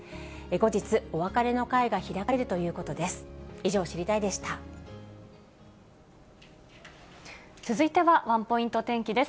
後日、お別れの会が開かれるということです。